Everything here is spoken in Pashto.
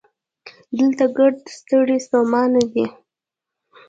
دلته ګړد ستړي ستومانه دي